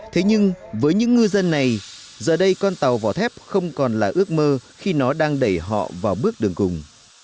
thế nhưng với những ngư dân này giờ đây con tàu vỏ thép không còn là ước mơ khi nó đang đẩy họ vào bước đường cùng